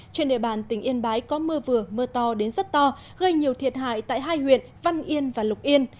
trên địa bàn tỉnh yên bái có mưa vừa mưa to đến rất to gây nhiều thiệt hại tại hai huyện văn yên và lục yên